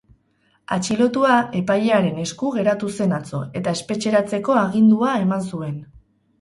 Atxilotua epailearen esku geratu zen atzo, eta espetxeratzeko agindua eman zuen.